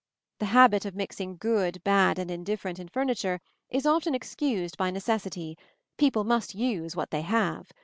The habit of mixing good, bad, and indifferent in furniture is often excused by necessity: people must use what they have.